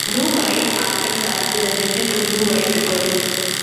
Blue Eye, Arkansas, is adjacent to Blue Eye, Missouri.